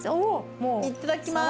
いっただっきます。